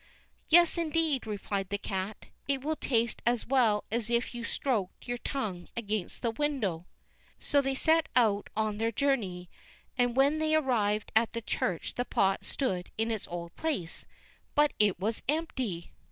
"Yes, indeed," replied the cat; "it will taste as well as if you stroked your tongue against the window." So they set out on their journey, and when they arrived at the church the pot stood in its old place—but it was empty!